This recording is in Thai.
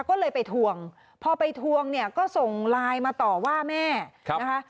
ก็เลยไปทวงพอไปทวงเนี่ยก็ส่งไลน์มาต่อว่าแม่นะคะ